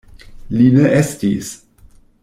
Li ne estis.